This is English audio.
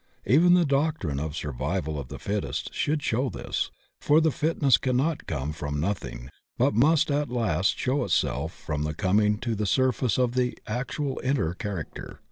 Even the doctrine of the survival of the fittest should show this, for the fitness cannot come from nothing but must at last show itself from the coming to the surface of the actual inner character.